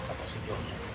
lalu apa sih jualnya